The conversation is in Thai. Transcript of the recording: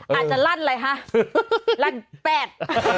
อาจจะลั่นอะไรฮะลั่นแปด